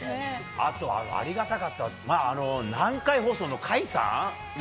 あとはありがたかった南海放送の甲斐さん。